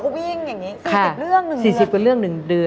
อ๋อแล้วก็วิ่งอย่างนี้สี่สิบเรื่องหนึ่งเลยค่ะสี่สิบเรื่องหนึ่งเดือน